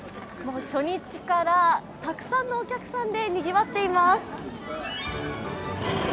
初日から、たくさんのお客さんでにぎわっています。